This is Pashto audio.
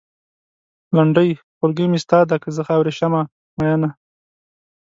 لنډۍ؛ خولګۍ مې ستا ده؛ که زه خاورې شم مينه